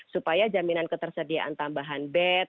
supaya jaminan ketersediaan tambahan bed